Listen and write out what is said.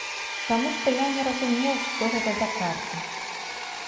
Таму што я не разумеў, што гэта за карты.